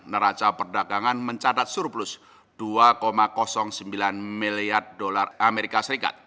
neraca perdagangan mencatat surplus usd dua sembilan miliar